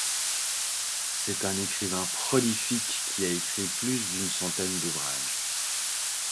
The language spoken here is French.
C'est un écrivain prolifique qui a écrit plus d’une centaine d’ouvrages.